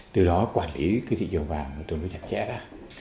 từ đó quản lý cái thị trường vàng nó tương đối chặt chẽ ra